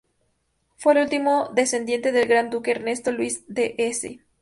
Fue el último descendiente del Gran Duque Ernesto Luis de Hesse.